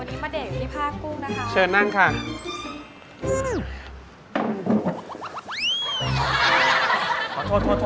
เราคงจะเววเวงเว้นวายเหมือนร้านอื่นไม่ได้แล้ว